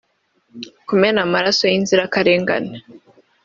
kumena amaraso y’inzira karengane